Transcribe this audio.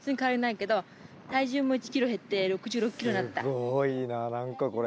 すごいななんかこれ。